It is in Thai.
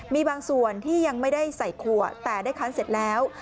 มีบางส่วนที่ยังไม่ได้ใส่ขวดแต่ได้คันเสร็จแล้ว